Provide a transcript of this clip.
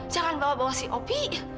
jangan bawa bawa si kopi